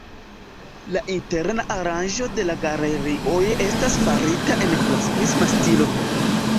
La interna aranĝo de la galerioj estas farita en klasikisma stilo.